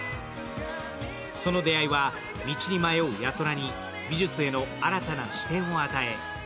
その出会いは道に迷う八虎に美術への新たな視点を与え